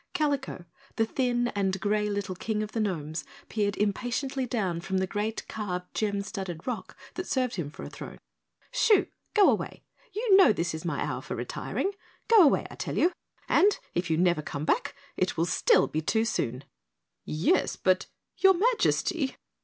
Kalico, the thin and gray little King of the Gnomes, peered impatiently down from the great carved gem studded rock that served him for a throne. "Shoo go away you know this is my hour for retiring! Go away, I tell you! And if you never come back it will still be too soon." "Yes, but your MAJESTY!"